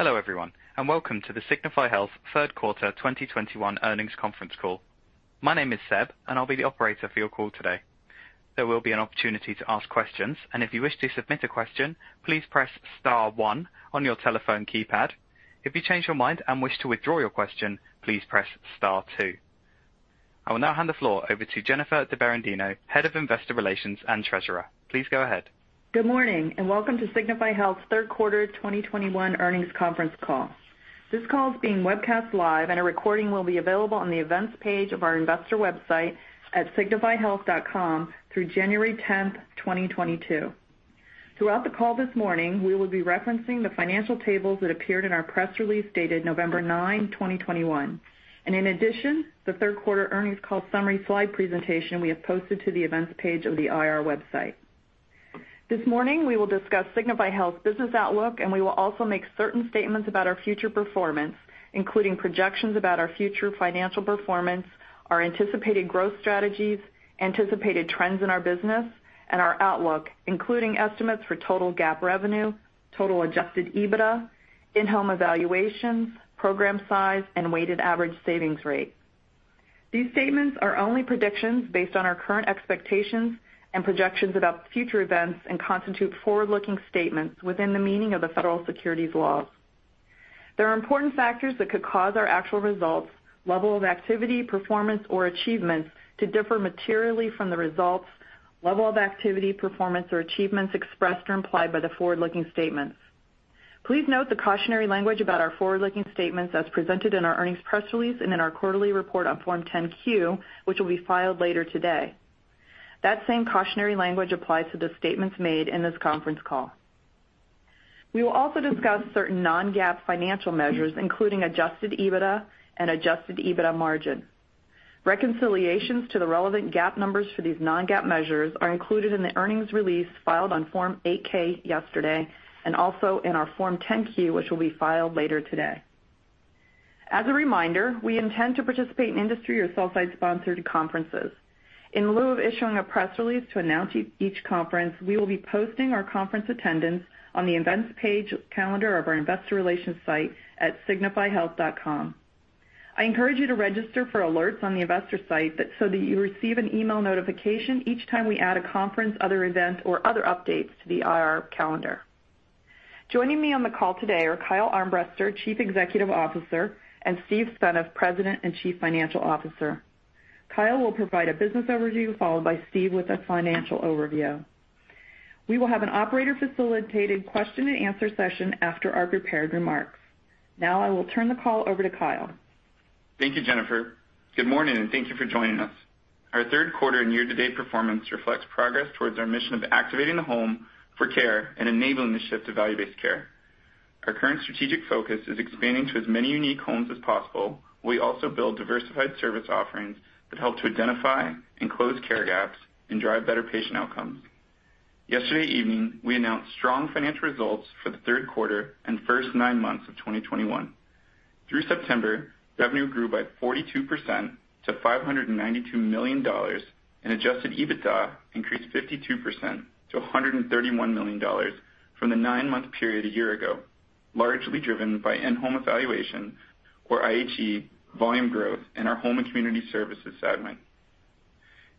Hello, everyone, and welcome to the Signify Health Q3 2021 earnings conference call. My name is Seb, and I'll be the operator for your call today. There will be an opportunity to ask questions, and if you wish to submit a question, please press star one on your telephone keypad. If you change your mind and wish to withdraw your question, please press star two. I will now hand the floor over to Jennifer DiBerardino, Head of Investor Relations and Treasurer. Please go ahead. Good morning, and welcome to Signify Health's Q3 2021 earnings conference call. This call is being webcast live and a recording will be available on the events page of our investor website at signifyhealth.com through January 10, 2022. Throughout the call this morning, we will be referencing the financial tables that appeared in our press release dated November 9, 2021. In addition, the Q3 earnings call summary slide presentation we have posted to the events page of the IR website. This morning, we will discuss Signify Health's business outlook, and we will also make certain statements about our future performance, including projections about our future financial performance, our anticipated growth strategies, anticipated trends in our business, and our outlook, including estimates for total GAAP revenue, total adjusted EBITDA, in-home evaluations, program size, and weighted average savings rate. These statements are only predictions based on our current expectations and projections about future events and constitute forward-looking statements within the meaning of the federal securities laws. There are important factors that could cause our actual results, level of activity, performance, or achievements to differ materially from the results, level of activity, performance, or achievements expressed or implied by the forward-looking statements. Please note the cautionary language about our forward-looking statements as presented in our earnings press release and in our quarterly report on Form 10-Q, which will be filed later today. That same cautionary language applies to the statements made in this conference call. We will also discuss certain non-GAAP financial measures, including adjusted EBITDA and adjusted EBITDA margin. Reconciliations to the relevant GAAP numbers for these non-GAAP measures are included in the earnings release filed on Form 8-K yesterday and also in our Form 10-Q, which will be filed later today. As a reminder, we intend to participate in industry or sell-side sponsored conferences. In lieu of issuing a press release to announce each conference, we will be posting our conference attendance on the events page calendar of our investor relations site at signifyhealth.com. I encourage you to register for alerts on the investor site so that you receive an email notification each time we add a conference, other event, or other updates to the IR calendar. Joining me on the call today are Kyle Armbrester, Chief Executive Officer, and Steve Senneff, President and Chief Financial Officer. Kyle will provide a business overview, followed by Steve with a financial overview. We will have an operator-facilitated question and answer session after our prepared remarks. Now I will turn the call over to Kyle. Thank you, Jennifer. Good morning, and thank you for joining us. Our Q3 and year-to-date performance reflects progress towards our mission of activating the home for care and enabling the shift to value-based care. Our current strategic focus is expanding to as many unique homes as possible. We also build diversified service offerings that help to identify and close care gaps and drive better patient outcomes. Yesterday evening, we announced strong financial results for the Q3 and first nine months of 2021. Through September, revenue grew by 42% to $592 million, and adjusted EBITDA increased 52% to $131 million from the nine-month period a year ago, largely driven by in-home evaluation or IHE volume growth in our Home and Community Services segment.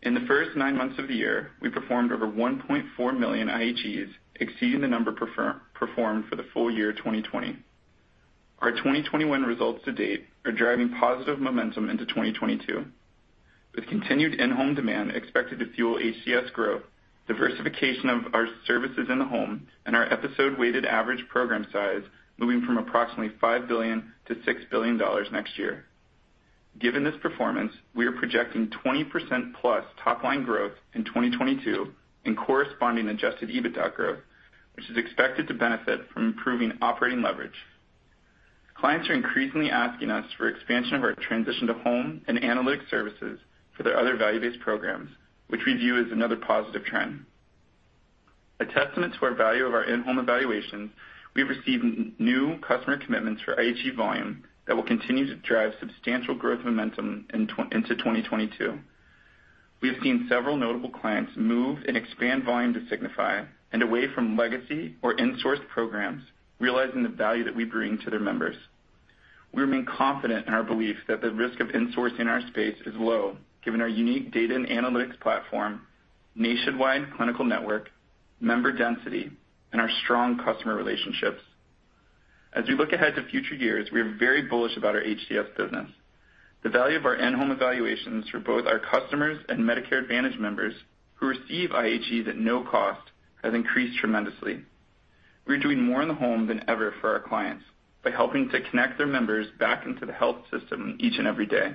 In the first nine months of the year, we performed over 1.4 million IHEs, exceeding the number performed for the full year 2020. Our 2021 results to date are driving positive momentum into 2022, with continued in-home demand expected to fuel HCS growth, diversification of our services in the home, and our episode weighted average program size moving from approximately $5 billion-$6 billion next year. Given this performance, we are projecting 20%+ top line growth in 2022 and corresponding adjusted EBITDA growth, which is expected to benefit from improving operating leverage. Clients are increasingly asking us for expansion of our transition to home and analytics services for their other value-based programs, which we view as another positive trend. A testament to our value of our in-home evaluations, we have received new customer commitments for IHE volume that will continue to drive substantial growth momentum into 2022. We have seen several notable clients move and expand volume to Signify and away from legacy or insourced programs, realizing the value that we bring to their members. We remain confident in our belief that the risk of insourcing our space is low, given our unique data and analytics platform, nationwide clinical network, member density, and our strong customer relationships. As we look ahead to future years, we are very bullish about our HCS business. The value of our in-home evaluations for both our customers and Medicare Advantage members who receive IHEs at no cost has increased tremendously. We are doing more in the home than ever for our clients by helping to connect their members back into the health system each and every day.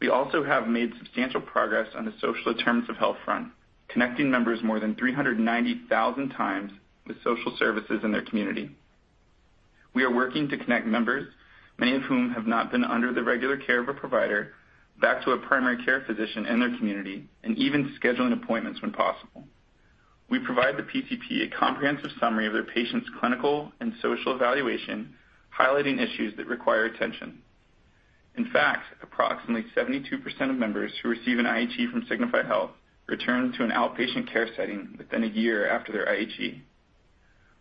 We also have made substantial progress on the social determinants of health front, connecting members more than 390,000x with social services in their community. We are working to connect members, many of whom have not been under the regular care of a provider, back to a primary care physician in their community and even scheduling appointments when possible. We provide the PCP a comprehensive summary of their patient's clinical and social evaluation, highlighting issues that require attention. In fact, approximately 72% of members who receive an IHE from Signify Health return to an outpatient care setting within a year after their IHE.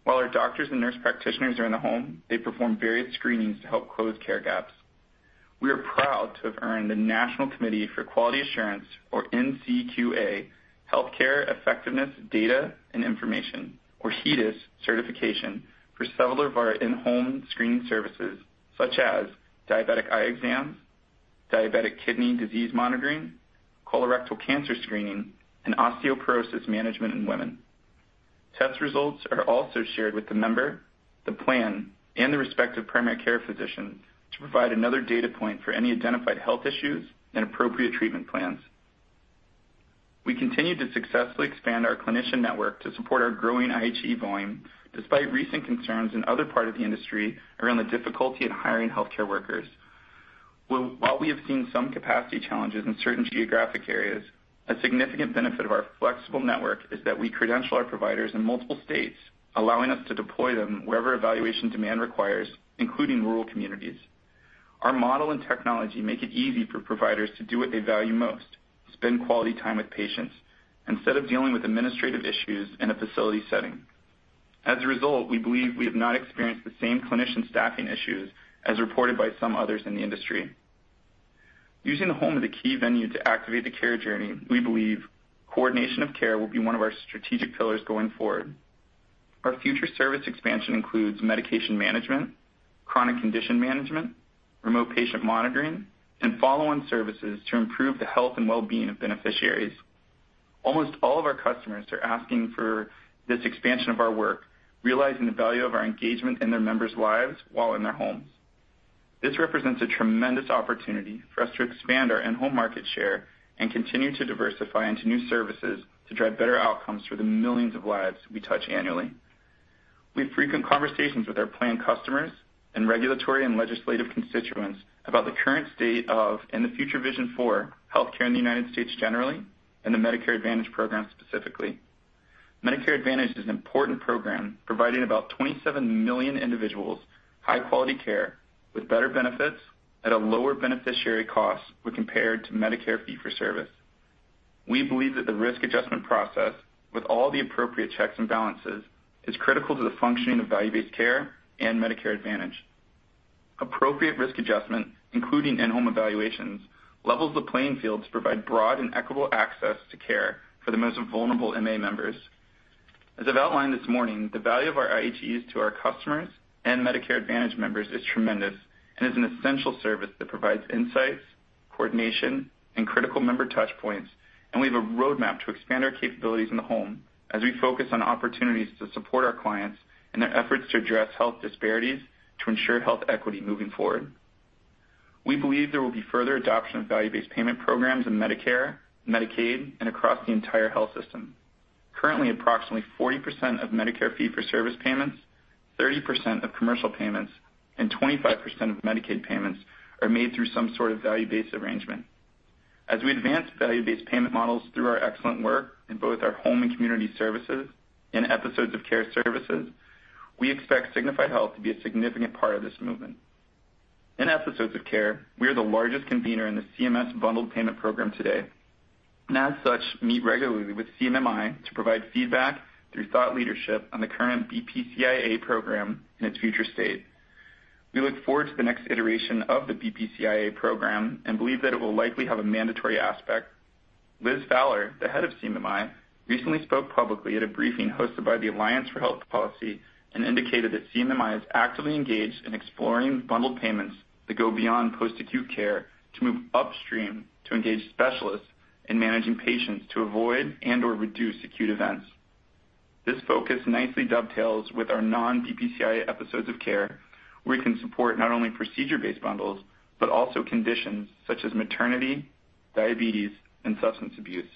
While our doctors and nurse practitioners are in the home, they perform various screenings to help close care gaps. We are proud to have earned the National Committee for Quality Assurance, or NCQA, Healthcare Effectiveness Data and Information, or HEDIS certification for several of our in-home screening services such as diabetic eye exams, diabetic kidney disease monitoring, colorectal cancer screening, and osteoporosis management in women. Test results are also shared with the member, the plan, and the respective primary care physician to provide another data point for any identified health issues and appropriate treatment plans. We continue to successfully expand our clinician network to support our growing IHE volume despite recent concerns in other parts of the industry around the difficulty of hiring healthcare workers. While we have seen some capacity challenges in certain geographic areas, a significant benefit of our flexible network is that we credential our providers in multiple states, allowing us to deploy them wherever evaluation demand requires, including rural communities. Our model and technology make it easy for providers to do what they value most, spend quality time with patients, instead of dealing with administrative issues in a facility setting. As a result, we believe we have not experienced the same clinician staffing issues as reported by some others in the industry. Using the home as a key venue to activate the care journey, we believe coordination of care will be one of our strategic pillars going forward. Our future service expansion includes medication management, chronic condition management, remote patient monitoring, and follow-on services to improve the health and well-being of beneficiaries. Almost all of our customers are asking for this expansion of our work, realizing the value of our engagement in their members' lives while in their homes. This represents a tremendous opportunity for us to expand our in-home market share and continue to diversify into new services to drive better outcomes for the millions of lives we touch annually. We have frequent conversations with our plan customers and regulatory and legislative constituents about the current state of, and the future vision for, healthcare in the United States generally, and the Medicare Advantage program specifically. Medicare Advantage is an important program providing about 27 million individuals high-quality care with better benefits at a lower beneficiary cost when compared to Medicare fee-for-service. We believe that the risk adjustment process, with all the appropriate checks and balances, is critical to the functioning of value-based care and Medicare Advantage. Appropriate risk adjustment, including in-home evaluations, levels the playing field to provide broad and equitable access to care for the most vulnerable MA members. As I've outlined this morning, the value of our IHEs to our customers and Medicare Advantage members is tremendous and is an essential service that provides insights, coordination, and critical member touch points. We have a roadmap to expand our capabilities in the home as we focus on opportunities to support our clients in their efforts to address health disparities to ensure health equity moving forward. We believe there will be further adoption of value-based payment programs in Medicare, Medicaid, and across the entire health system. Currently, approximately 40% of Medicare fee-for-service payments, 30% of commercial payments, and 25% of Medicaid payments are made through some sort of value-based arrangement. As we advance value-based payment models through our excellent work in both our Home and Community Services and Episodes of Care services, we expect Signify Health to be a significant part of this movement. In Episodes of Care, we are the largest convener in the CMS bundled payment program today, and as such, meet regularly with CMMI to provide feedback through thought leadership on the current BPCI-A program and its future state. We look forward to the next iteration of the BPCI-A program and believe that it will likely have a mandatory aspect. Liz Fowler, the head of CMMI, recently spoke publicly at a briefing hosted by the Alliance for Health Policy and indicated that CMMI is actively engaged in exploring bundled payments that go beyond post-acute care to move upstream to engage specialists in managing patients to avoid and/or reduce acute events. This focus nicely dovetails with our non-BPCI-A Episodes of Care, where we can support not only procedure-based bundles, but also conditions such as maternity, diabetes, and substance abuse.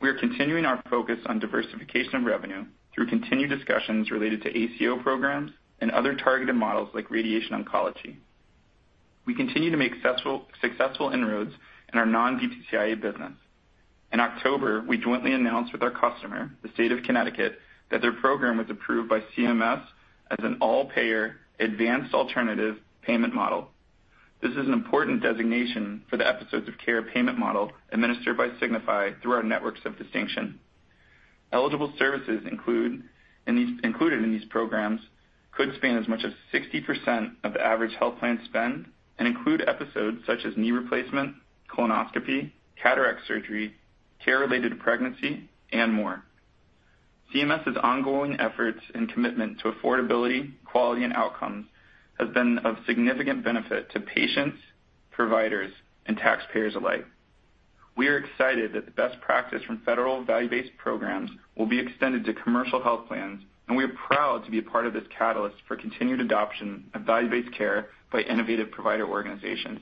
We are continuing our focus on diversification of revenue through continued discussions related to ACO programs and other targeted models like radiation oncology. We continue to make successful inroads in our non-BPCI-A business. In October, we jointly announced with our customer, the State of Connecticut, that their program was approved by CMS as an all-payer advanced alternative payment model. This is an important designation for the Episodes of Care payment model administered by Signify through our networks of distinction. Eligible services included in these programs could span as much as 60% of the average health plan spend and include episodes such as knee replacement, colonoscopy, cataract surgery, care related to pregnancy, and more. CMS' ongoing efforts and commitment to affordability, quality, and outcomes has been of significant benefit to patients, providers, and taxpayers alike. We are excited that the best practice from federal value-based programs will be extended to commercial health plans, and we are proud to be a part of this catalyst for continued adoption of value-based care by innovative provider organizations.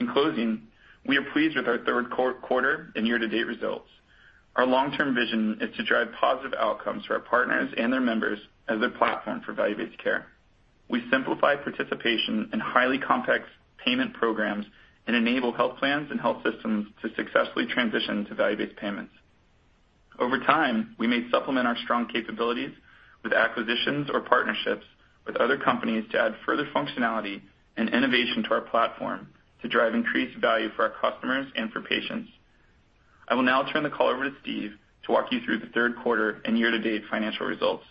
In closing, we are pleased with our Q3 and year-to-date results. Our long-term vision is to drive positive outcomes for our partners and their members as a platform for value-based care. We simplify participation in highly complex payment programs and enable health plans and health systems to successfully transition to value-based payments. Over time, we may supplement our strong capabilities with acquisitions or partnerships with other companies to add further functionality and innovation to our platform to drive increased value for our customers and for patients. I will now turn the call over to Steve to walk you through the Q3 and year-to-date financial results.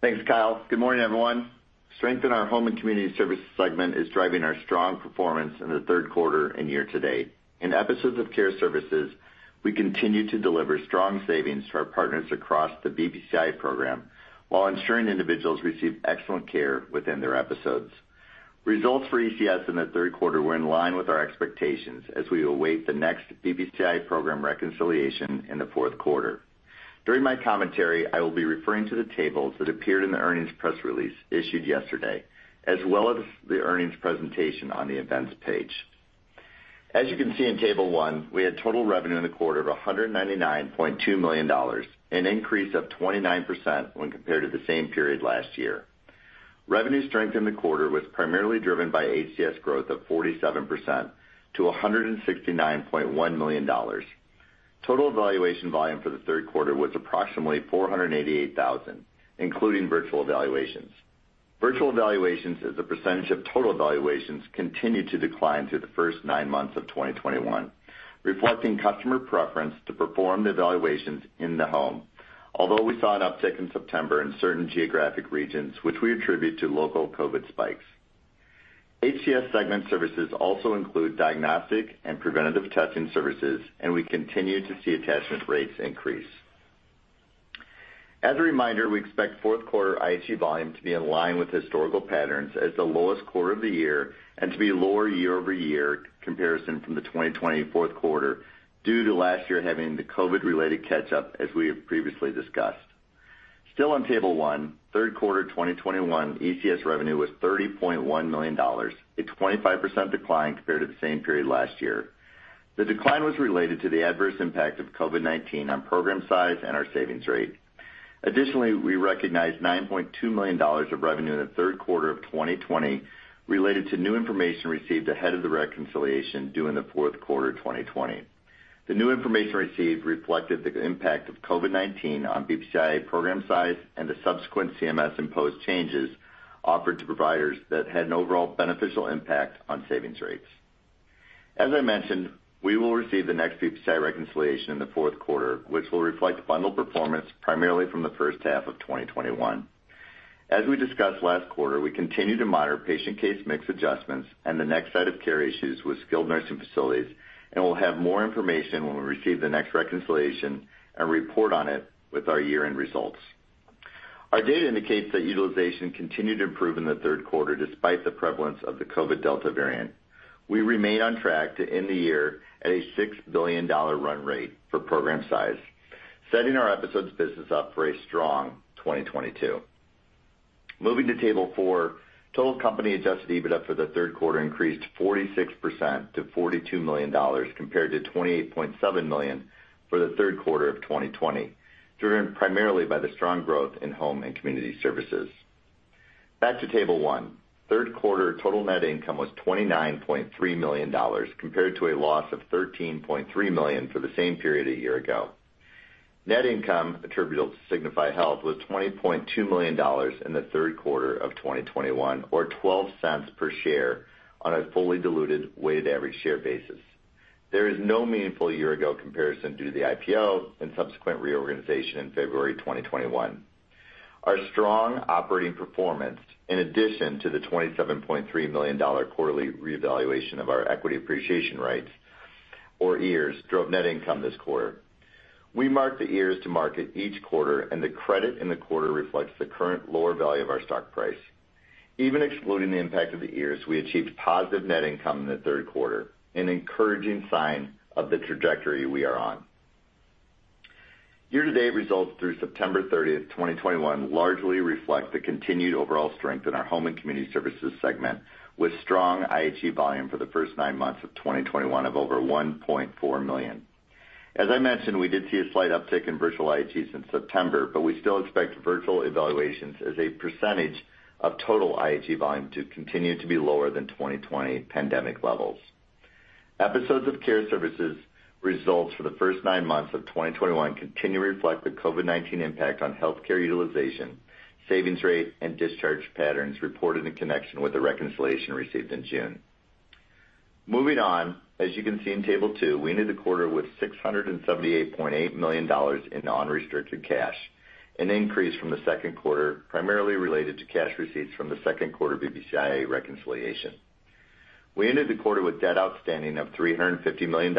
Thanks, Kyle. Good morning, everyone. Strength in our Home and Community Services segment is driving our strong performance in the Q3 and year to date. In Episodes of Care services, we continue to deliver strong savings to our partners across the BPCI program while ensuring individuals receive excellent care within their episodes. Results for ECS in the Q3 were in line with our expectations as we await the next BPCI program reconciliation in the Q4. During my commentary, I will be referring to the tables that appeared in the earnings press release issued yesterday, as well as the earnings presentation on the events page. As you can see in Table 1, we had total revenue in the quarter of $199.2 million, an increase of 29% when compared to the same period last year. Revenue strength in the quarter was primarily driven by HCS growth of 47% to $169.1 million. Total evaluation volume for the Q3 was approximately 488,000, including virtual evaluations. Virtual evaluations as a percentage of total evaluations continued to decline through the first nine months of 2021, reflecting customer preference to perform the evaluations in the home. Although we saw an uptick in September in certain geographic regions, which we attribute to local COVID spikes. HCS segment services also include diagnostic and preventative testing services, and we continue to see attachment rates increase. As a reminder, we expect Q4 IHE volume to be in line with historical patterns as the lowest quarter of the year and to be lower year-over-year comparison from the 2020 Q4 due to last year having the COVID-related catch-up as we have previously discussed. Still on Table 1, Q3 2021, ECS revenue was $30.1 million, a 25% decline compared to the same period last year. The decline was related to the adverse impact of COVID-19 on program size and our savings rate. Additionally, we recognized $9.2 million of revenue in the Q3 of 2020 related to new information received ahead of the reconciliation due in the Q4 of 2020. The new information received reflected the impact of COVID-19 on BPCI program size and the subsequent CMS imposed changes offered to providers that had an overall beneficial impact on savings rates. As I mentioned, we will receive the next BPCI reconciliation in the Q4, which will reflect bundle performance primarily from the first half of 2021. As we discussed last quarter, we continue to monitor patient case mix adjustments and the next set of care issues with skilled nursing facilities, and we'll have more information when we receive the next reconciliation and report on it with our year-end results. Our data indicates that utilization continued to improve in the Q3 despite the prevalence of the COVID-19 Delta variant. We remain on track to end the year at a $6 billion run rate for program size, setting our episodes business up for a strong 2022. Moving to table four, total company adjusted EBITDA for the Q3 increased 46% to $42 million compared to $28.7 million for the Q3 of 2020, driven primarily by the strong growth in Home and Community Services. Back to table one. Q3 total net income was $29.3 million compared to a loss of $13.3 million for the same period a year ago. Net income attributable to Signify Health was $20.2 million in the Q3 of 2021 or $0.12 per share on a fully diluted weighted average share basis. There is no meaningful year-ago comparison due to the IPO and subsequent reorganization in February 2021. Our strong operating performance, in addition to the $27.3 million quarterly reevaluation of our equity appreciation rights, or EARs, drove net income this quarter. We marked the EARs to market each quarter, and the credit in the quarter reflects the current lower value of our stock price. Even excluding the impact of the EARs, we achieved positive net income in the Q3, an encouraging sign of the trajectory we are on. Year-to-date results through September 30, 2021, largely reflect the continued overall strength in our Home and Community Services segment, with strong IHE volume for the first nine months of 2021 of over 1.4 million. As I mentioned, we did see a slight uptick in virtual IHEs in September, but we still expect virtual evaluations as a percentage of total IHE volume to continue to be lower than 2020 pandemic levels. Episodes of Care services results for the first nine months of 2021 continue to reflect the COVID-19 impact on healthcare utilization, savings rate, and discharge patterns reported in connection with the reconciliation received in June. Moving on, as you can see in table two, we ended the quarter with $678.8 million in unrestricted cash, an increase from the Q2 primarily related to cash receipts from the Q2 BPCI reconciliation. We ended the quarter with debt outstanding of $350 million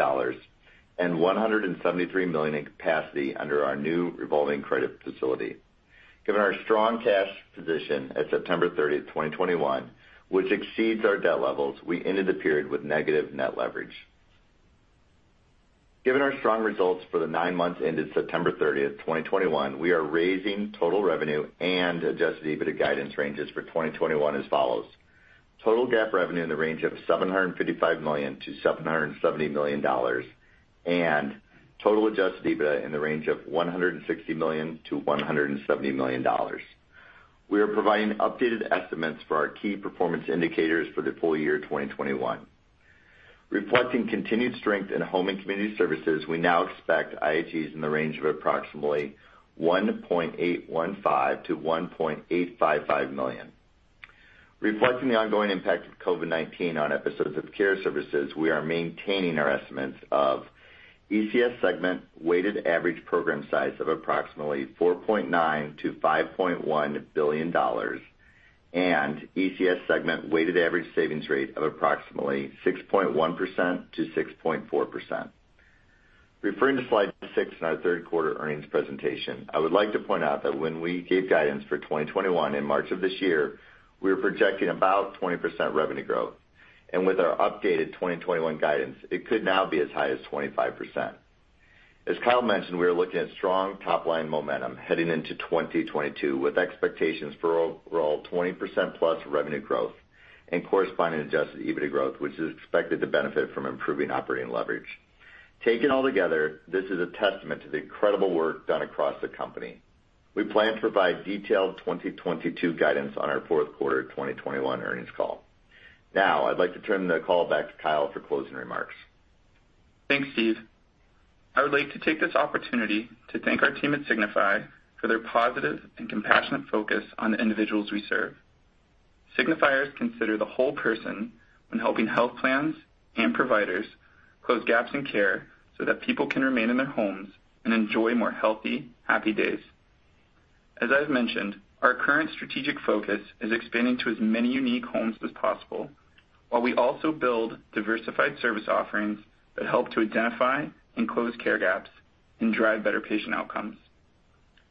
and $173 million in capacity under our new revolving credit facility. Given our strong cash position at September 30, 2021, which exceeds our debt levels, we ended the period with negative net leverage. Given our strong results for the nine months ended September 30, 2021, we are raising total revenue and adjusted EBITDA guidance ranges for 2021 as follows: Total GAAP revenue in the range of $755 million-$770 million and total adjusted EBITDA in the range of $160 million-$170 million. We are providing updated estimates for our key performance indicators for the full year 2021. Reflecting continued strength in Home and Community Services, we now expect IHEs in the range of approximately $1.815million-$1.855 million. Reflecting the ongoing impact of COVID-19 on Episodes of Care services, we are maintaining our estimates of ECS segment weighted average program size of approximately $4.9 billion-$5.1 billion, and ECS segment weighted average savings rate of approximately 6.1%-6.4%. Referring to slide six in our Q3 earnings presentation, I would like to point out that when we gave guidance for 2021 in March of this year, we were projecting about 20% revenue growth. With our updated 2021 guidance, it could now be as high as 25%. As Kyle mentioned, we are looking at strong top-line momentum heading into 2022, with expectations for overall 20%+ revenue growth and corresponding adjusted EBITDA growth, which is expected to benefit from improving operating leverage. Taken altogether, this is a testament to the incredible work done across the company. We plan to provide detailed 2022 guidance on our Q4 2021 earnings call. Now, I'd like to turn the call back to Kyle for closing remarks. Thanks, Steve. I would like to take this opportunity to thank our team at Signify for their positive and compassionate focus on the individuals we serve. Signifiers consider the whole person when helping health plans and providers close gaps in care so that people can remain in their homes and enjoy more healthy, happy days. As I've mentioned, our current strategic focus is expanding to as many unique homes as possible, while we also build diversified service offerings that help to identify and close care gaps and drive better patient outcomes.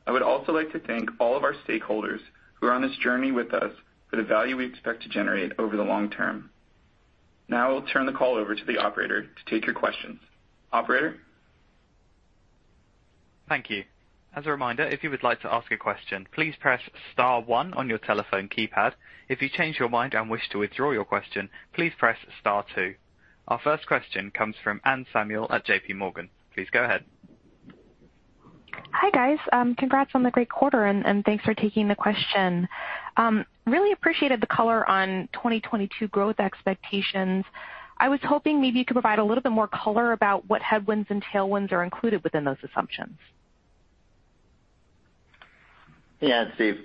I would also like to thank all of our stakeholders who are on this journey with us for the value we expect to generate over the long term. Now, I'll turn the call over to the operator to take your questions. Operator? Thank you. As a reminder, if you would like to ask a question, please press star one on your telephone keypad. If you change your mind and wish to withdraw your question, please press star two. Our first question comes from Anne Samuel at J.P. Morgan. Please go ahead. Hi, guys. Congrats on the great quarter and thanks for taking the question. Really appreciated the color on 2022 growth expectations. I was hoping maybe you could provide a little bit more color about what headwinds and tailwinds are included within those assumptions. Yeah, it's Steve.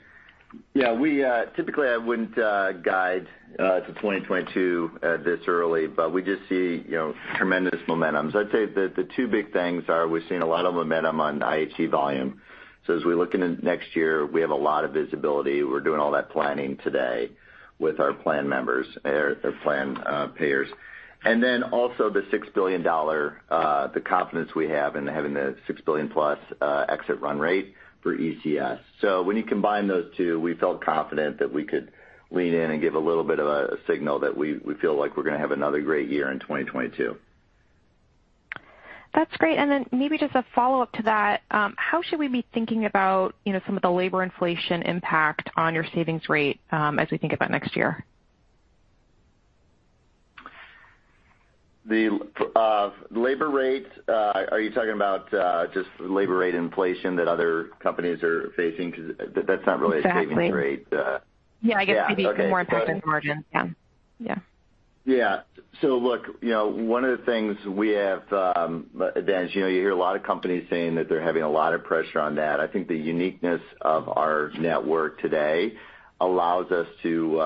Yeah, we typically I wouldn't guide to 2022 this early, but we just see, you know, tremendous momentum. I'd say the two big things are we've seen a lot of momentum on IHE volume. As we look into next year, we have a lot of visibility. We're doing all that planning today with our plan members or the plan payers. Then also, the confidence we have in having the $6 billion-plus exit run rate for ECS. When you combine those two, we felt confident that we could lean in and give a little bit of a signal that we feel like we're gonna have another great year in 2022. That's great. Maybe just a follow-up to that, how should we be thinking about, you know, some of the labor inflation impact on your savings rate, as we think about next year? The labor rate, are you talking about just labor rate inflation that other companies are facing 'cause that's not really a savings rate. Exactly. Yeah, I guess maybe more impact on margin. Yeah. Yeah. Yeah. Look, you know, one of the things we have, advantage, you know, you hear a lot of companies saying that they're having a lot of pressure on that. I think the uniqueness of our network today allows us to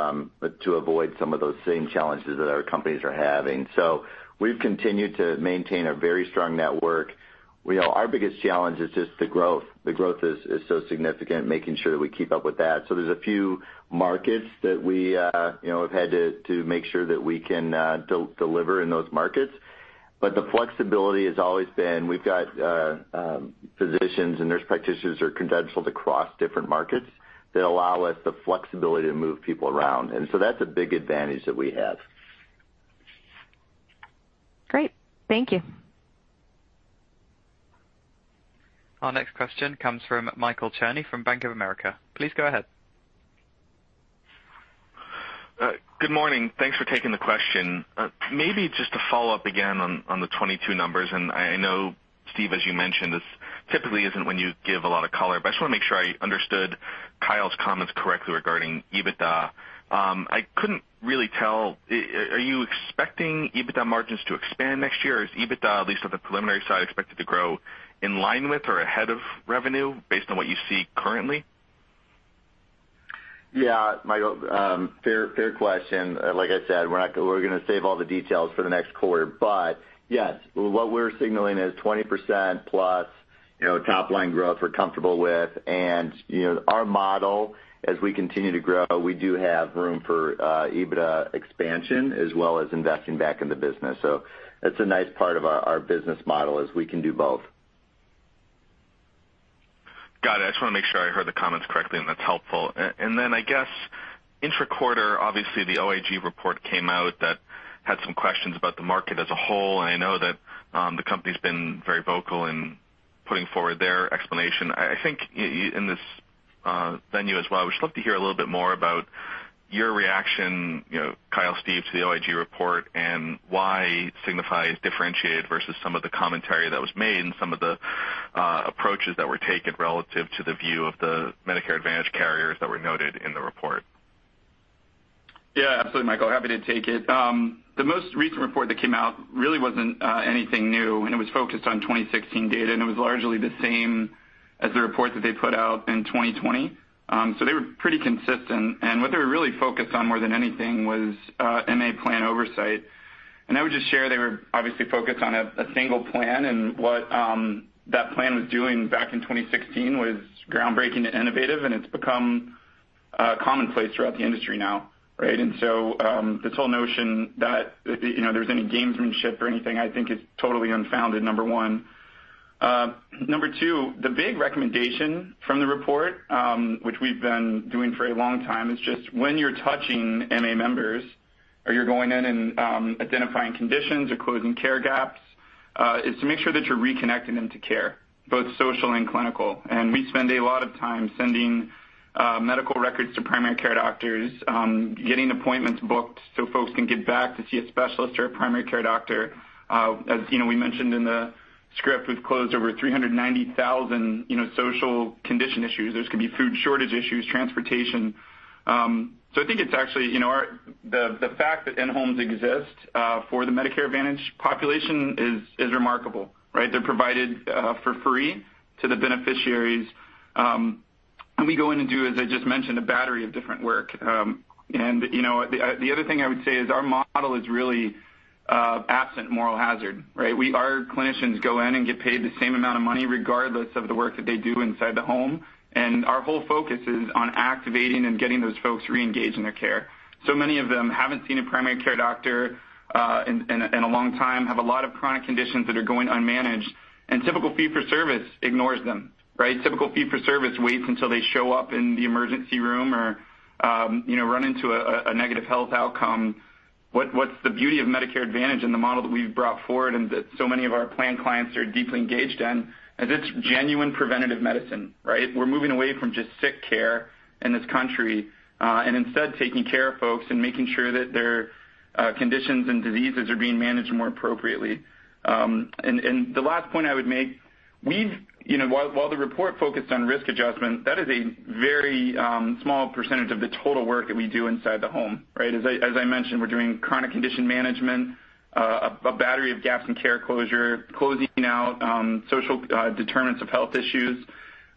avoid some of those same challenges that other companies are having. We've continued to maintain a very strong network. You know, our biggest challenge is just the growth. The growth is so significant, making sure that we keep up with that. There's a few markets that we, you know, have had to make sure that we can deliver in those markets. But the flexibility has always been we've got, physicians and nurse practitioners are credentialed across different markets that allow us the flexibility to move people around. That's a big advantage that we have. Great. Thank you. Our next question comes from Michael Cherny from Bank of America. Please go ahead. Good morning. Thanks for taking the question. Maybe just to follow up again on the 2022 numbers, and I know, Steve, as you mentioned, this typically isn't when you give a lot of color, but I just wanna make sure I understood Kyle's comments correctly regarding EBITDA. I couldn't really tell, are you expecting EBITDA margins to expand next year? Is EBITDA, at least on the preliminary side, expected to grow in line with or ahead of revenue based on what you see currently? Yeah. Michael, fair question. Like I said, we're gonna save all the details for the next quarter. Yes, what we're signaling is 20%+ top line growth we're comfortable with. You know, our model as we continue to grow, we do have room for EBITDA expansion as well as investing back in the business. It's a nice part of our business model is we can do both. Got it. I just wanna make sure I heard the comments correctly, and that's helpful. I guess intra-quarter, obviously the OIG report came out that had some questions about the market as a whole. I know that the company's been very vocal in putting forward their explanation. I think in this venue as well, we'd just love to hear a little bit more about your reaction, you know, Kyle, Steve, to the OIG report and why Signify is differentiated versus some of the commentary that was made and some of the approaches that were taken relative to the view of the Medicare Advantage carriers that were noted in the report. Yeah, absolutely Michael, happy to take it. The most recent report that came out really wasn't anything new, and it was focused on 2016 data, and it was largely the same as the report that they put out in 2020. They were pretty consistent. What they were really focused on more than anything was MA plan oversight. I would just share they were obviously focused on a single plan and what that plan was doing back in 2016 was groundbreaking and innovative, and it's become commonplace throughout the industry now, right? This whole notion that you know there's any gamesmanship or anything I think is totally unfounded, number one. Number two, the big recommendation from the report, which we've been doing for a long time, is just when you're touching MA members or you're going in and identifying conditions or closing care gaps, is to make sure that you're reconnecting them to care, both social and clinical. We spend a lot of time sending medical records to primary care doctors, getting appointments booked so folks can get back to see a specialist or a primary care doctor. As you know, we mentioned in the script, we've closed over 390,000 social condition issues. Those could be food shortage issues, transportation. I think it's actually the fact that in-homes exist for the Medicare Advantage population is remarkable, right? They're provided for free to the beneficiaries. We go in and do, as I just mentioned, a battery of different work. You know, the other thing I would say is our model is really absent moral hazard, right? Our clinicians go in and get paid the same amount of money regardless of the work that they do inside the home. Our whole focus is on activating and getting those folks reengaged in their care. So many of them haven't seen a primary care doctor in a long time, have a lot of chronic conditions that are going unmanaged. Typical fee for service ignores them, right? Typical fee for service waits until they show up in the emergency room or, you know, run into a negative health outcome. What's the beauty of Medicare Advantage and the model that we've brought forward and that so many of our plan clients are deeply engaged in, is it's genuine preventative medicine, right? We're moving away from just sick care in this country, and instead taking care of folks and making sure that their conditions and diseases are being managed more appropriately. The last point I would make, you know, while the report focused on risk adjustment, that is a very small percentage of the total work that we do inside the home, right? As I mentioned, we're doing chronic condition management, a battery of gaps in care closure, closing out social determinants of health issues,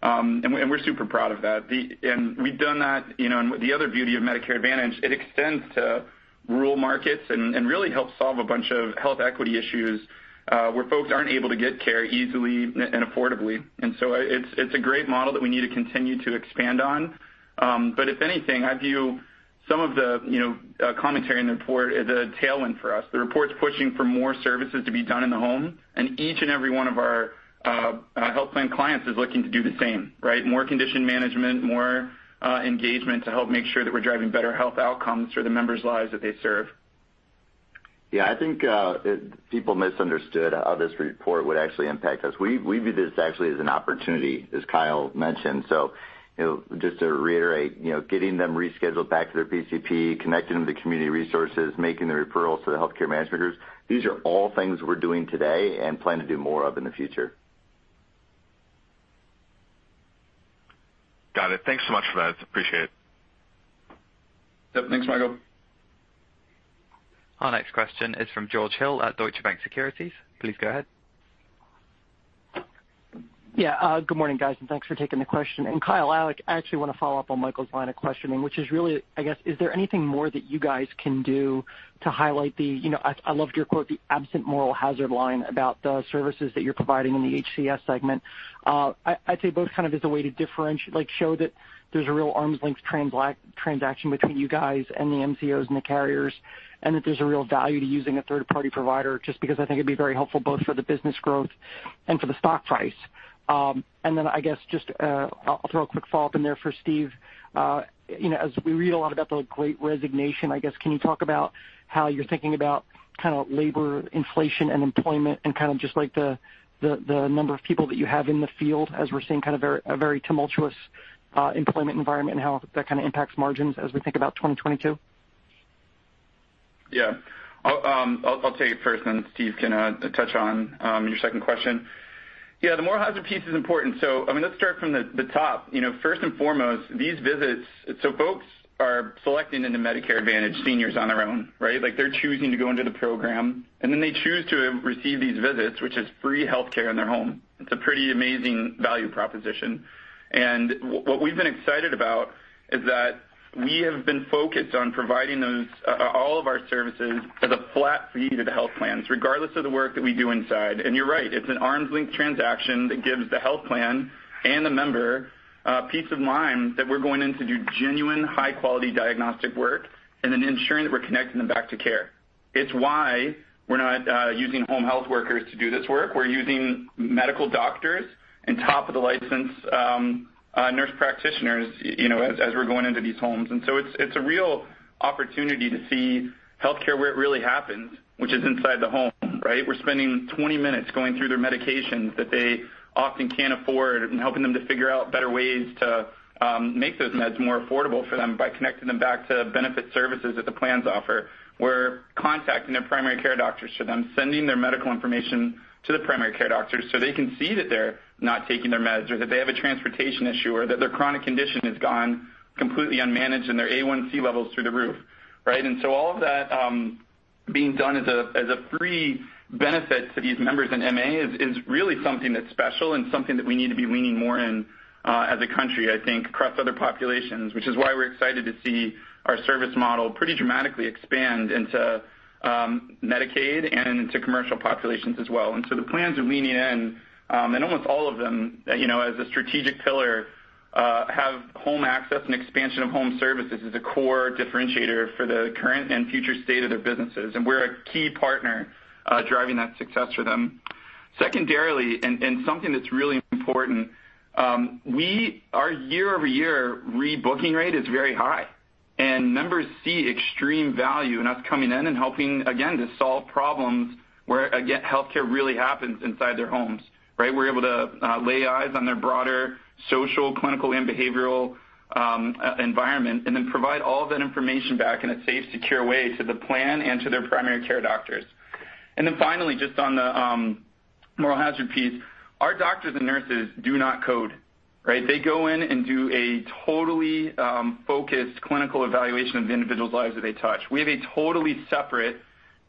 and we're super proud of that. We've done that, you know, and the other beauty of Medicare Advantage, it extends to rural markets and really helps solve a bunch of health equity issues, where folks aren't able to get care easily and affordably. It's a great model that we need to continue to expand on. If anything, I view some of the, you know, commentary in the report as a tailwind for us. The report's pushing for more services to be done in the home, and each and every one of our health plan clients is looking to do the same, right? More condition management, more engagement to help make sure that we're driving better health outcomes for the members' lives that they serve. Yeah. I think people misunderstood how this report would actually impact us. We view this actually as an opportunity, as Kyle mentioned. You know, just to reiterate, you know, getting them rescheduled back to their PCP, connecting them to community resources, making the referrals to the healthcare management groups, these are all things we're doing today and plan to do more of in the future. Got it. Thanks so much for that. Appreciate it. Yep. Thanks, Michael. Our next question is from George Hill at Deutsche Bank Securities. Please go ahead. Yeah. Good morning, guys, and thanks for taking the question. Kyle, I actually wanna follow up on Michael's line of questioning, which is really, I guess, is there anything more that you guys can do to highlight the, you know, I loved your quote, the absent moral hazard line about the services that you're providing in the HCS segment. I'd say both kind of as a way to differentiate, like, show that there's a real arm's-length transaction between you guys and the MCOs and the carriers, and that there's a real value to using a third-party provider, just because I think it'd be very helpful both for the business growth and for the stock price. I guess just, I'll throw a quick follow-up in there for Steve. You know, as we read a lot about the Great Resignation, I guess, can you talk about how you're thinking about kinda labor inflation and employment and kinda just like the number of people that you have in the field as we're seeing kind of a very tumultuous employment environment and how that kinda impacts margins as we think about 2022? Yeah. I'll take it first, and then Steve can touch on your second question. Yeah, the moral hazard piece is important. I mean, let's start from the top. You know, first and foremost, these visits. Folks are selecting into Medicare Advantage, seniors on their own, right? Like, they're choosing to go into the program, and then they choose to receive these visits, which is free healthcare in their home. It's a pretty amazing value proposition. What we've been excited about is that we have been focused on providing those, all of our services as a flat fee to the health plans, regardless of the work that we do inside. You're right, it's an arm's-length transaction that gives the health plan and the member peace of mind that we're going in to do genuine, high-quality diagnostic work and then ensuring that we're connecting them back to care. It's why we're not using home health workers to do this work. We're using medical doctors and top of the license nurse practitioners, you know, as we're going into these homes. It's a real opportunity to see healthcare where it really happens, which is inside the home, right? We're spending 20 minutes going through their medications that they often can't afford and helping them to figure out better ways to make those meds more affordable for them by connecting them back to benefit services that the plans offer. We're contacting their primary care doctors for them, sending their medical information to the primary care doctors so they can see that they're not taking their meds, or that they have a transportation issue, or that their chronic condition has gone completely unmanaged and their A1C level's through the roof, right? All of that being done as a free benefit to these members in MA is really something that's special and something that we need to be leaning more in as a country, I think, across other populations, which is why we're excited to see our service model pretty dramatically expand into Medicaid and into commercial populations as well. The plans are leaning in, and almost all of them, you know, have home access and expansion of home services as a core differentiator for the current and future state of their businesses. We're a key partner driving that success for them. Secondarily, something that's really important, our year-over-year rebooking rate is very high, and members see extreme value in us coming in and helping, again, to solve problems where, again, healthcare really happens inside their homes, right? We're able to lay eyes on their broader social, clinical, and behavioral environment, and then provide all of that information back in a safe, secure way to the plan and to their primary care doctors. Finally, just on the moral hazard piece, our doctors and nurses do not code, right? They go in and do a totally focused clinical evaluation of the individuals' lives that they touch. We have a totally separate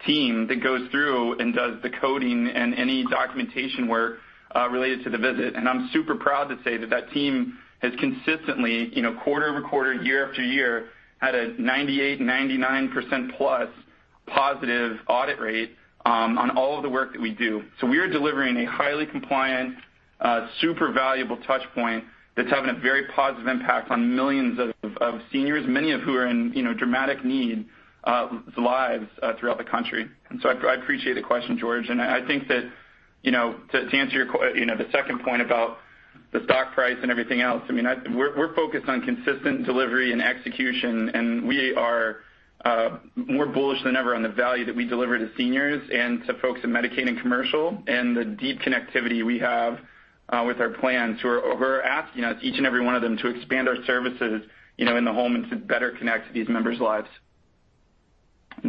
team that goes through and does the coding and any documentation work related to the visit. I'm super proud to say that team has consistently quarter-over-quarter, year-after-year, had a 98-99%+ positive audit rate on all of the work that we do. We are delivering a highly compliant, super valuable touch point that's having a very positive impact on millions of seniors, many of who are in dramatic need, lives throughout the country. I appreciate the question, George. I think that, you know, to answer your you know, the second point about the stock price and everything else, I mean, we're focused on consistent delivery and execution, and we are more bullish than ever on the value that we deliver to seniors and to folks in Medicaid and commercial, and the deep connectivity we have with our plans who are asking us, each and every one of them, to expand our services, you know, in the home and to better connect to these members' lives.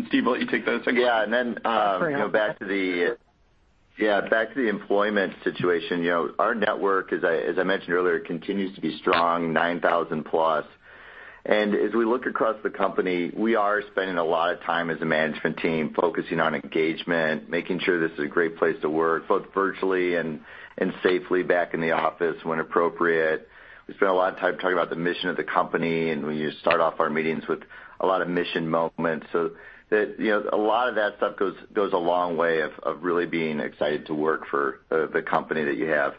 Steve, why don't you take those? Yeah, you know, back to the employment situation. You know, our network, as I mentioned earlier, continues to be strong, 9,000+. As we look across the company, we are spending a lot of time as a management team focusing on engagement, making sure this is a great place to work, both virtually and safely back in the office when appropriate. We spend a lot of time talking about the mission of the company, and we start off our meetings with a lot of mission moments. You know, a lot of that stuff goes a long way of really being excited to work for the company that you have,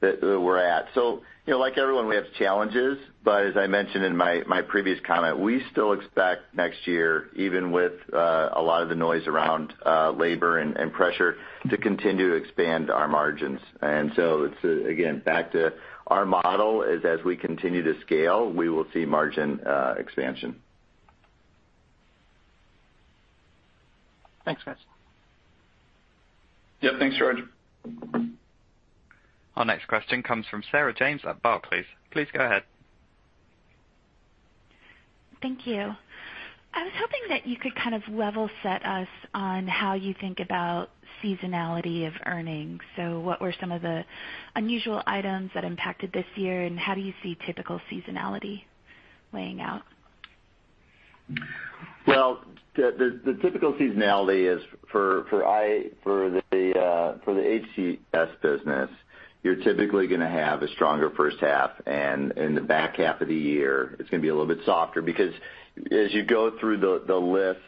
that we're at. You know, like everyone, we have challenges, but as I mentioned in my previous comment, we still expect next year, even with a lot of the noise around labor and pressure to continue to expand our margins. It's again back to our model, as we continue to scale, we will see margin expansion. Thanks, guys. Yeah. Thanks, George. Our next question comes from Sarah James at Barclays. Please go ahead. Thank you. I was hoping that you could kind of level set us on how you think about seasonality of earnings. What were some of the unusual items that impacted this year, and how do you see typical seasonality laying out? Well, the typical seasonality is for the HCS business. You're typically gonna have a stronger first half, and in the back half of the year, it's gonna be a little bit softer because as you go through the list,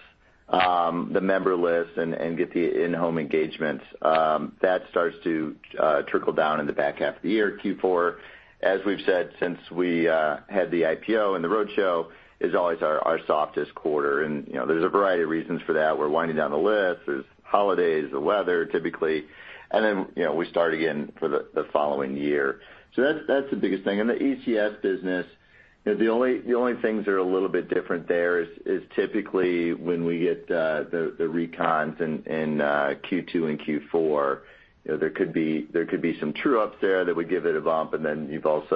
the member list and get the in-home engagements, that starts to trickle down in the back half of the year, Q4. As we've said since we had the IPO and the roadshow is always our softest quarter. You know, there's a variety of reasons for that. We're winding down the list. There's holidays, the weather, typically. You know, we start again for the following year. That's the biggest thing. In the ECS business, you know, the only things that are a little bit different there is typically when we get the recons in Q2 and Q4, you know, there could be some true ups there that would give it a bump, and then we've got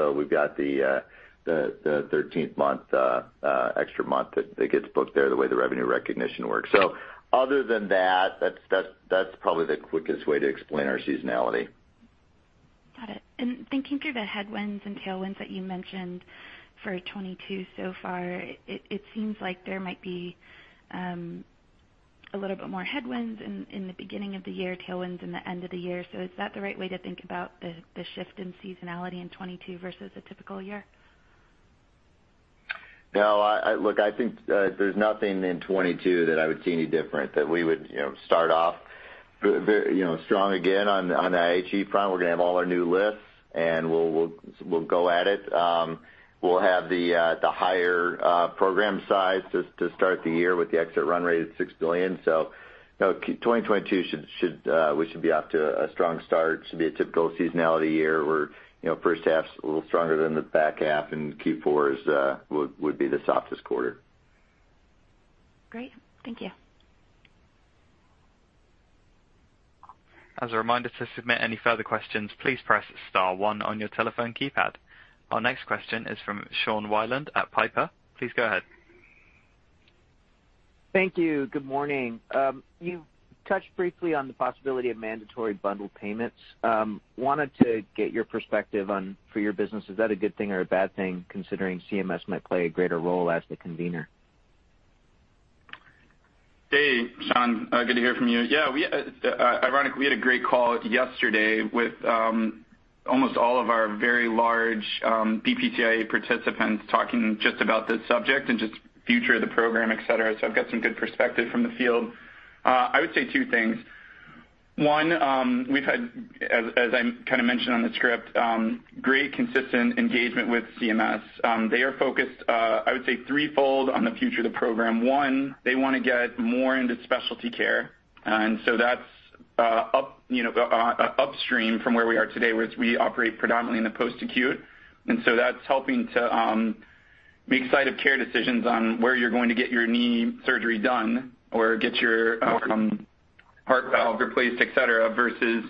the thirteenth month extra month that gets booked there the way the revenue recognition works. So other than that's probably the quickest way to explain our seasonality. Got it. Thinking through the headwinds and tailwinds that you mentioned for 2022 so far, it seems like there might be a little bit more headwinds in the beginning of the year, tailwinds in the end of the year. Is that the right way to think about the shift in seasonality in 2022 versus a typical year? No, look, I think there's nothing in 2022 that I would see any different, that we would, you know, start off. You know, strong again on the IHE front. We're gonna have all our new lifts and we'll go at it. We'll have the higher program size to start the year with the exit run rate at $6 billion. You know, 2022 should be off to a strong start. It should be a typical seasonality year where, you know, first half's a little stronger than the back half and Q4 would be the softest quarter. Great. Thank you. As a reminder to submit any further questions, please press star one on your telephone keypad. Our next question is from Sean Wieland at Piper Sandler. Please go ahead. Thank you. Good morning. You touched briefly on the possibility of mandatory bundle payments. Wanted to get your perspective on, for your business, is that a good thing or a bad thing, considering CMS might play a greater role as the convener? Hey, Sean, good to hear from you. Yeah, ironically, we had a great call yesterday with almost all of our very large BPCI-A participants talking just about this subject and just future of the program, et cetera. I've got some good perspective from the field. I would say two things. One, we've had, as I kinda mentioned on the script, great consistent engagement with CMS. They are focused, I would say threefold on the future of the program. One, they wanna get more into specialty care, and so that's up, you know, upstream from where we are today, whereas we operate predominantly in the post-acute. That's helping to make site of care decisions on where you're going to get your knee surgery done or get your heart valve replaced, et cetera, versus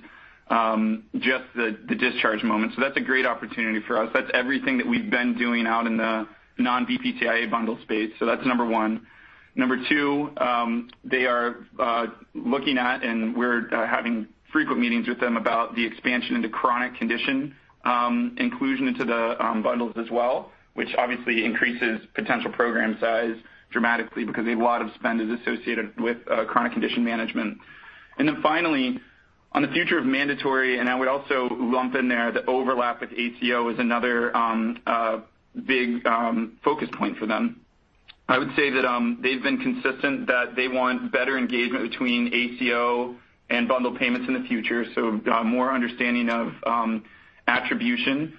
just the discharge moment. That's a great opportunity for us. That's everything that we've been doing out in the non-BPCI-A bundle space. That's number one. Number two, they are looking at, and we're having frequent meetings with them about the expansion into chronic condition inclusion into the bundles as well, which obviously increases potential program size dramatically because a lot of spend is associated with chronic condition management. Finally, on the future of mandatory, and I would also lump in there the overlap with ACO is another a big focus point for them. I would say that, they've been consistent that they want better engagement between ACO and bundled payments in the future, so, more understanding of, attribution.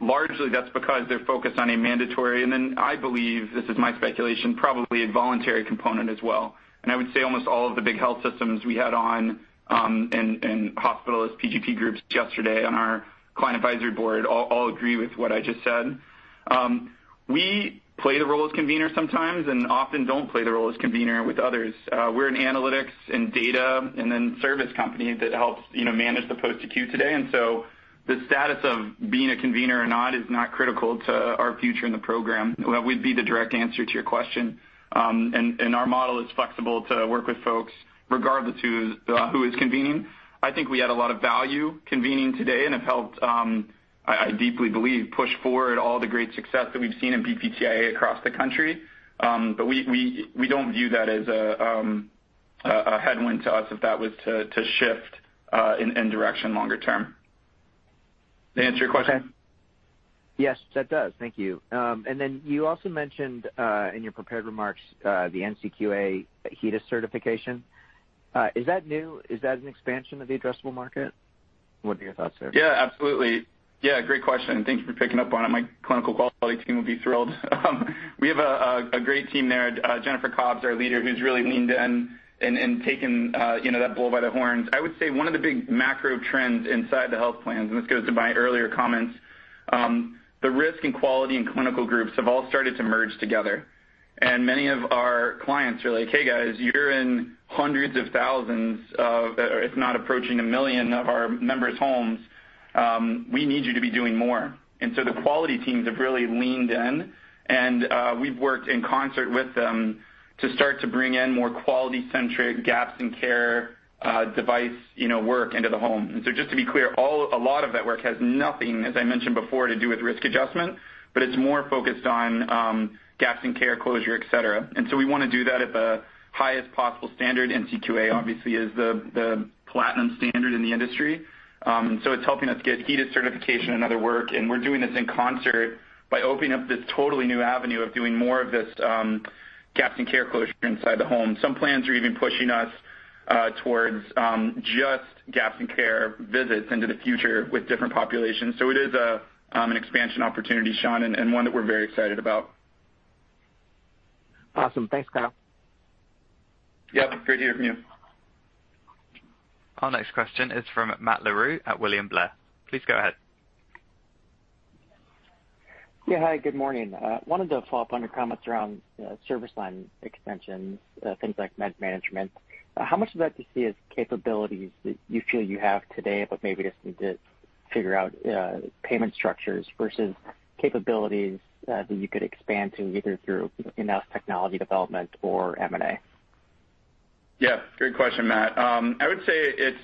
Largely that's because they're focused on a mandatory. I believe, this is my speculation, probably a voluntary component as well. I would say almost all of the big health systems we had on, and hospitalist PGP groups yesterday on our client advisory board all agree with what I just said. We play the role as convener sometimes and often don't play the role as convener with others. We're an analytics and data and then service company that helps, you know, manage the post-acute today. The status of being a convener or not is not critical to our future in the program. Well, would be the direct answer to your question. Our model is flexible to work with folks regardless who is convening. I think we add a lot of value convening today and have helped, I deeply believe, push forward all the great success that we've seen in BPCI-A across the country. We don't view that as a headwind to us if that was to shift in direction longer term. Does that answer your question? Okay. Yes, that does. Thank you. You also mentioned, in your prepared remarks, the NCQA HEDIS certification. Is that new? Is that an expansion of the addressable market? What are your thoughts there? Yeah, absolutely. Yeah, great question. Thank you for picking up on it. My clinical quality team will be thrilled. We have a great team there. Jennifer Cobb, our leader, who's really leaned in and taken, you know, that bull by the horns. I would say one of the big macro trends inside the health plans, and this goes to my earlier comments, the risk in quality and clinical groups have all started to merge together. Many of our clients are like, "Hey guys, you're in hundreds of thousands of, if not approaching 1 million of our members' homes, we need you to be doing more." The quality teams have really leaned in and, we've worked in concert with them to start to bring in more quality-centric gaps and care, device, you know, work into the home. Just to be clear, a lot of that work has nothing, as I mentioned before, to do with risk adjustment, but it's more focused on gaps in care closure, et cetera. We wanna do that at the highest possible standard. NCQA obviously is the platinum standard in the industry. It's helping us get HEDIS certification and other work. We're doing this in concert by opening up this totally new avenue of doing more of this gaps in care closure inside the home. Some plans are even pushing us towards just gaps in care visits into the future with different populations. It is an expansion opportunity, Sean, and one that we're very excited about. Awesome. Thanks, Kyle. Yeah, great to hear from you. Our next question is from Matt Larew at William Blair. Please go ahead. Yeah, hi, good morning. Wanted to follow up on your comments around service line extensions, things like med management. How much of that do you see as capabilities that you feel you have today, but maybe just need to figure out payment structures versus capabilities that you could expand to either through in-house technology development or M&A? Yeah, great question, Matt. I would say it's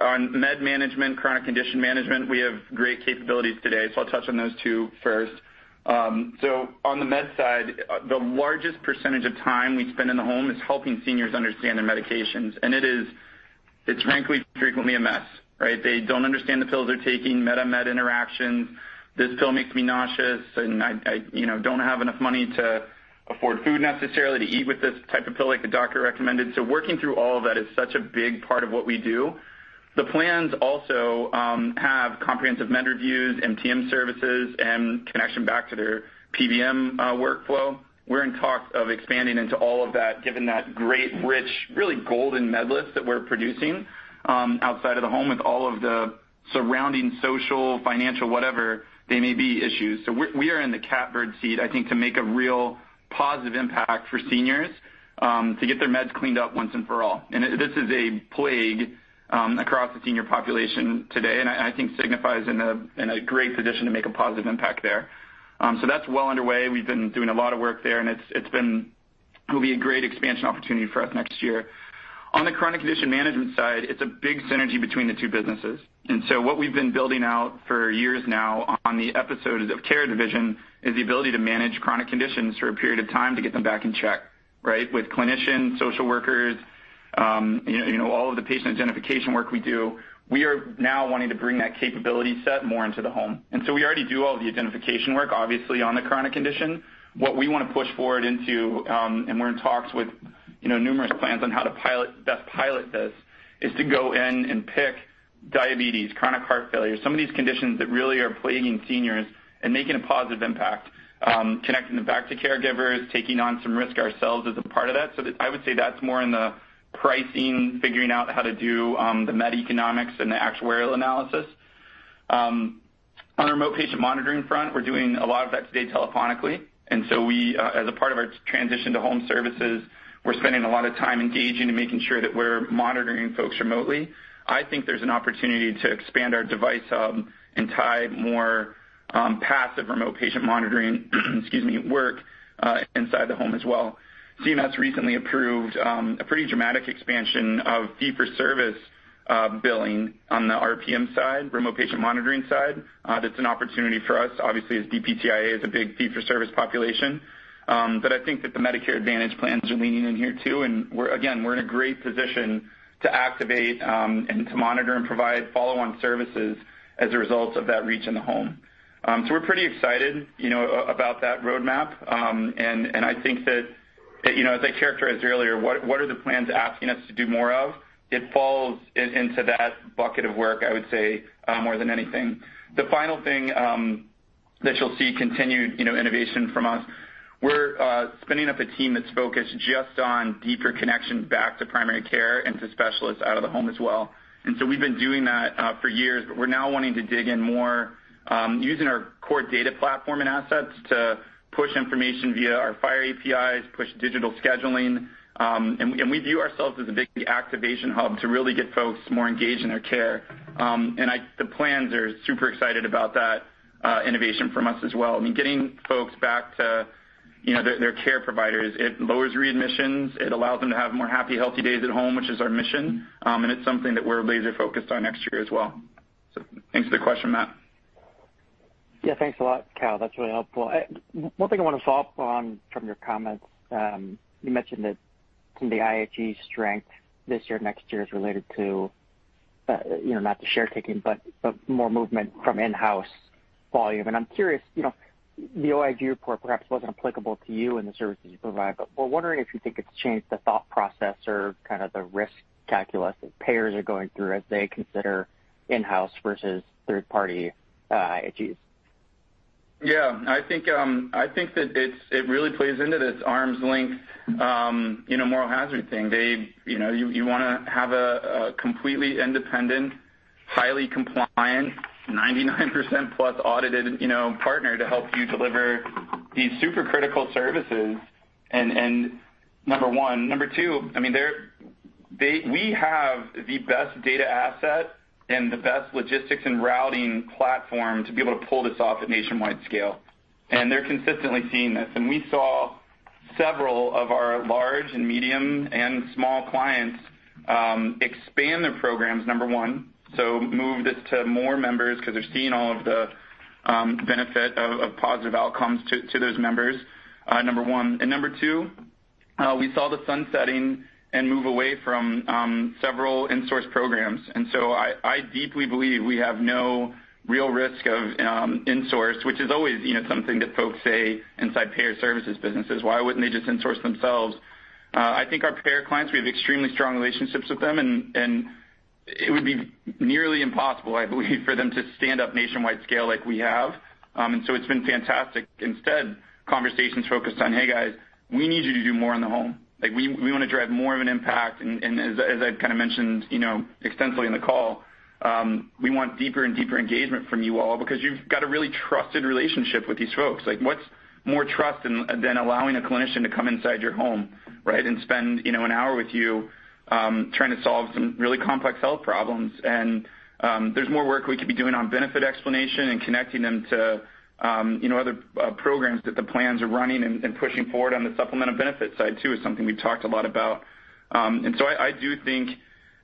on med management, chronic condition management. We have great capabilities today, so I'll touch on those two first. On the med side, the largest percentage of time we spend in the home is helping seniors understand their medications. It is, it's frankly frequently a mess, right? They don't understand the pills they're taking, med-med interactions. This pill makes me nauseous, and I, you know, don't have enough money to afford food necessarily to eat with this type of pill like the doctor recommended. Working through all of that is such a big part of what we do. The plans also have comprehensive med reviews, MTM services, and connection back to their PBM workflow. We're in talks of expanding into all of that, given that great, rich, really golden med list that we're producing, outside of the home with all of the surrounding social, financial, whatever they may be issues. We are in the catbird seat, I think, to make a real positive impact for seniors, to get their meds cleaned up once and for all. This is a plague, across the senior population today, and I think Signify is in a great position to make a positive impact there. That's well underway. We've been doing a lot of work there, and it'll be a great expansion opportunity for us next year. On the chronic condition management side, it's a big synergy between the two businesses. What we've been building out for years now on the Episodes of Care division is the ability to manage chronic conditions for a period of time to get them back in check, right? With clinicians, social workers, you know, all of the patient identification work we do. We are now wanting to bring that capability set more into the home. We already do all the identification work, obviously, on the chronic condition. What we wanna push forward into, and we're in talks with, you know, numerous plans on how to best pilot this, is to go in and pick diabetes, chronic heart failure, some of these conditions that really are plaguing seniors and making a positive impact, connecting them back to caregivers, taking on some risk ourselves as a part of that. I would say that's more in the pricing, figuring out how to do, the med economics and the actuarial analysis. On the remote patient monitoring front, we're doing a lot of that today telephonically. As a part of our transition to home services, we're spending a lot of time engaging and making sure that we're monitoring folks remotely. I think there's an opportunity to expand our device hub and tie more, passive remote patient monitoring, excuse me, work, inside the home as well. CMS recently approved a pretty dramatic expansion of fee-for-service billing on the RPM side, Remote Patient Monitoring side. That's an opportunity for us, obviously, as BPCI-A is a big fee-for-service population. I think that the Medicare Advantage plans are leaning in here, too. We're in a great position to activate and to monitor and provide follow-on services as a result of that reach in the home. So we're pretty excited, you know, about that roadmap. And I think that, you know, as I characterized earlier, what are the plans asking us to do more of? It falls into that bucket of work, I would say, more than anything. The final thing that you'll see continued, you know, innovation from us, we're spinning up a team that's focused just on deeper connections back to primary care and to specialists out of the home as well. We've been doing that for years, but we're now wanting to dig in more, using our core data platform and assets to push information via our FHIR APIs, push digital scheduling, and we view ourselves as a big activation hub to really get folks more engaged in their care. The plans are super excited about that innovation from us as well. I mean, getting folks back to, you know, their care providers, it lowers readmissions, it allows them to have more happy, healthy days at home, which is our mission, and it's something that we're laser focused on next year as well. Thanks for the question, Matt. Yeah, thanks a lot, Kyle. That's really helpful. One thing I wanna follow up on from your comments, you mentioned that some of the IHE strength this year, next year is related to, you know, not the share taking, but more movement from in-house volume. I'm curious, you know, the OIG report perhaps wasn't applicable to you and the services you provide, but we're wondering if you think it's changed the thought process or kind of the risk calculus that payers are going through as they consider in-house versus third-party, IHEs. Yeah. I think that it really plays into this arm's length, you know, moral hazard thing. They, you know, you wanna have a completely independent, highly compliant, 99% plus audited, you know, partner to help you deliver these super critical services and number one. Number two, I mean, we have the best data asset and the best logistics and routing platform to be able to pull this off at nationwide scale. They're consistently seeing this. We saw several of our large and medium and small clients expand their programs, number one, so move this to more members 'cause they're seeing all of the benefit of positive outcomes to those members, number one. Number two, we saw the sunsetting and move away from several in-source programs. I deeply believe we have no real risk of in-source, which is always, you know, something that folks say inside payer services businesses. Why wouldn't they just in-source themselves? I think our payer clients, we have extremely strong relationships with them, and it would be nearly impossible, I believe, for them to stand up nationwide scale like we have. It's been fantastic. Instead, conversations focused on, "Hey, guys, we need you to do more in the home. Like, we wanna drive more of an impact." And as I've kinda mentioned, you know, extensively in the call, we want deeper and deeper engagement from you all because you've got a really trusted relationship with these folks. Like, what's more trust than allowing a clinician to come inside your home, right? Spend, you know, an hour with you trying to solve some really complex health problems. There's more work we could be doing on benefit explanation and connecting them to, you know, other programs that the plans are running and pushing forward on the supplemental benefit side, too, is something we've talked a lot about. I do think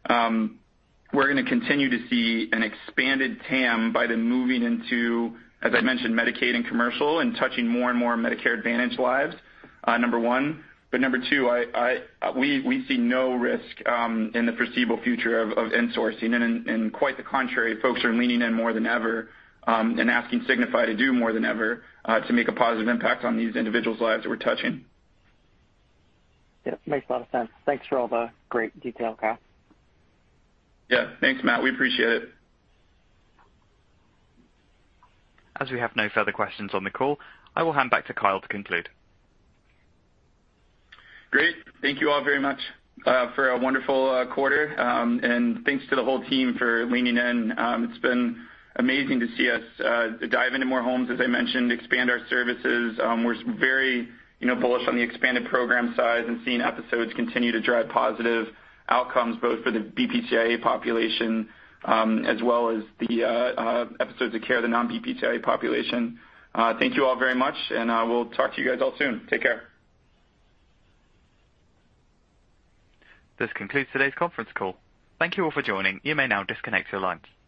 we're gonna continue to see an expanded TAM by moving into, as I mentioned, Medicaid and commercial and touching more and more Medicare Advantage lives, number one. Number two, we see no risk in the foreseeable future of insourcing. In quite the contrary, folks are leaning in more than ever and asking Signify to do more than ever to make a positive impact on these individuals' lives that we're touching. Yeah, makes a lot of sense. Thanks for all the great detail, Kyle. Yeah. Thanks, Matt. We appreciate it. As we have no further questions on the call, I will hand back to Kyle to conclude. Great. Thank you all very much for a wonderful quarter, and thanks to the whole team for leaning in. It's been amazing to see us dive into more homes, as I mentioned, expand our services. We're very, you know, bullish on the expanded program size and seeing episodes continue to drive positive outcomes, both for the BPCI-A population, as well as the Episodes of Care, the non-BPCI-A population. Thank you all very much, and we'll talk to you guys all soon. Take care. This concludes today's conference call. Thank you all for joining. You may now disconnect your lines.